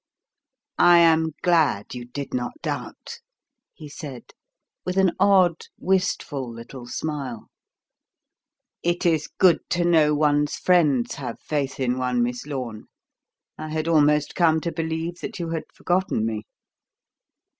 "I am glad you did not doubt," he said, with an odd, wistful little smile. "It is good to know one's friends have faith in one, Miss Lorne. I had almost come to believe that you had forgotten me."